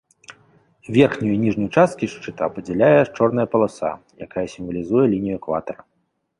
Верхнюю і ніжнюю часткі шчыта падзяляюць чорная паласа, якая сімвалізуе лінію экватара.